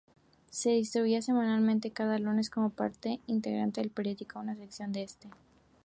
Se distribuían semanalmente, cada lunes, como parte integrante del periódico, una sección de este.